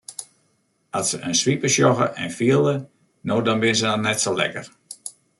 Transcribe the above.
At se in swipe sjogge en fiele no dan binne se net sa lekker.